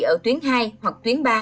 ở tuyến hai hoặc tuyến ba